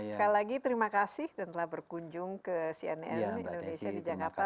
sekali lagi terima kasih dan telah berkunjung ke cnn indonesia di jakarta